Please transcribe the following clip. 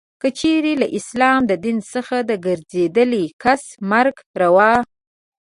که چیري له اسلام د دین څخه د ګرځېدلې کس مرګ روا.